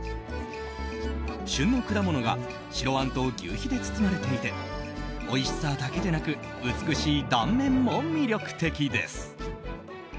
旬の果物が白あんと求肥で包まれていておいしさだけでなく美しい断面も魅力的です。